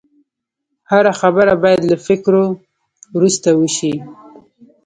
هره خبره باید له فکرو وروسته وشي